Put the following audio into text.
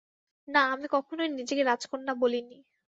না, আমি কখনোই নিজেকে রাজকন্যা বলিনি।